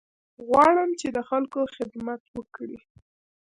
غواړم چې د خلکو خدمت وکړې.